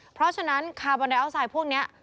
เพราะฉะนั้นคาร์บอนไดอัลไซด์พวกนี้